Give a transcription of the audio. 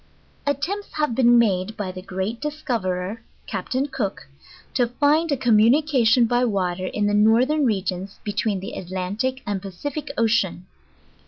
Attempts have been made, by the great discoverer, Cap ta'n Cook, to find a communication by water in the northern regions between the Atlantic and Pacific Ocean.